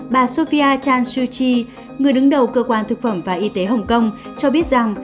bà sophia chan shu chi người đứng đầu cơ quan thực phẩm và y tế hồng kông cho biết rằng